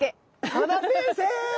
多田先生！